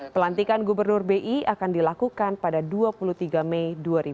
pelantikan gubernur bi akan dilakukan pada dua puluh tiga mei dua ribu dua puluh